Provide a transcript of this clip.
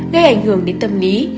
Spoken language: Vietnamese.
gây ảnh hưởng đến tâm lý